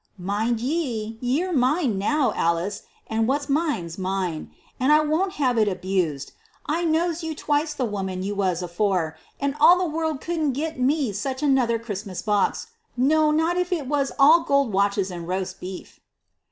"Mind ye, ye're mine now, Alice; an' what's mine's mine, an' I won't have it abused. I knows you twice the woman you was afore, and all the world couldn't gi' me such another Christmas box no, not if it was all gold watches and roast beef."